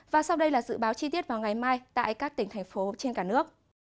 và sau đây là dự báo chi tiết vào ngày mai tại các tỉnh thành phố trên cả nước